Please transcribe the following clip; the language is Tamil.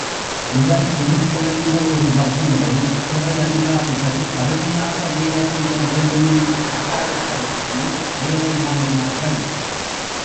உடல் உருக்குலைந்த ஒரு வக்கீலை, சிறையதிகாரிகள் கடுமையாக வேலை செய்ய வேண்டும் என்று கட்டாயப்படுத்தி வேலை வாங்கினார்கள்.